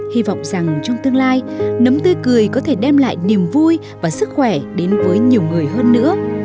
hy vọng rằng trong tương lai nấm tươi cười có thể đem lại niềm vui và sức khỏe đến với nhiều người hơn nữa